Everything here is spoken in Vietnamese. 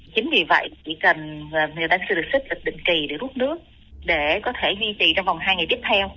chính vì vậy chỉ cần người ta xử lý sức định kỳ để rút nước để có thể duy trì trong vòng hai ngày tiếp theo